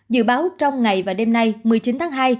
dự báo trong ngày và đêm nay một mươi chín tháng hai